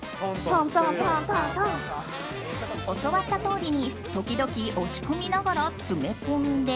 教わったとおりに時々押し込みながら詰め込んで。